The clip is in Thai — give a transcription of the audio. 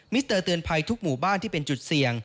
เตอร์เตือนภัยทุกหมู่บ้านที่เป็นจุดเสี่ยง